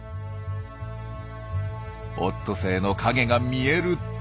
オットセイの影が見えると。